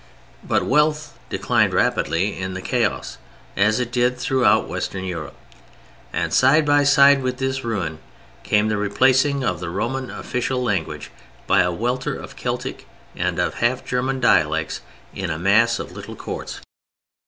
But wealth declined rapidly in the chaos as it did throughout Western Europe. And side by side with this ruin came the replacing of the Roman official language by a welter of Celtic and of half German dialects in a mass of little courts.